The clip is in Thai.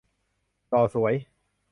หล่อสวย